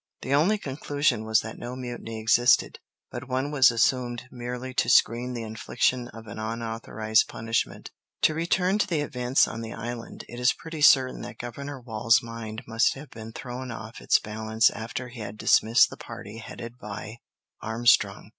The only conclusion was that no mutiny existed, but one was assumed merely to screen the infliction of an unauthorized punishment. To return to the events on the island. It is pretty certain that Governor Wall's mind must have been thrown off its balance after he had dismissed the party headed by Armstrong.